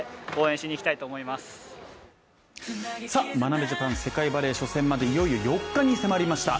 眞鍋ジャパン、世界バレー初戦までいよいよ４日に迫りました。